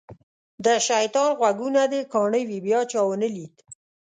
د شیطان غوږونه دې کاڼه وي بیا چا ونه لید.